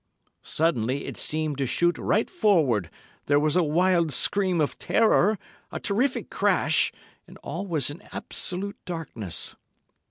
Suddenly it seemed to shoot right forward, there was a wild scream of terror, a terrific crash, and all was in absolute darkness.